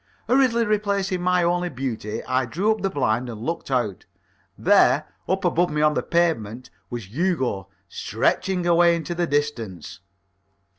Hurriedly replacing my only beauty, I drew up the blind and looked out. There, up above me on the pavement, was Hugo, stretching away into the distance.